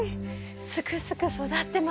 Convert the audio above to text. すくすく育ってます。